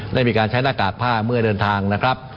ได้มีการใช้หน้ากากผ้าเมื่อเดินทางนะครับ